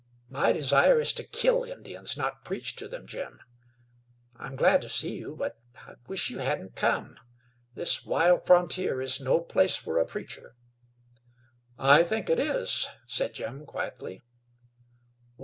My desire is to kill Indians, not preach to them, Jim. I'm glad to see you; but I wish you hadn't come. This wild frontier is no place for a preacher." "I think it is," said Jim, quietly.